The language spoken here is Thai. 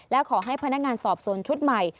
และขอให้พนักงานสอบสวนชุดใหม่